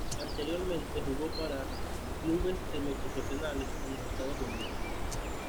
Anteriormente jugó para clubes semi-profesionales en los Estados Unidos.